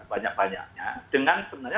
banyak banyaknya dengan sebenarnya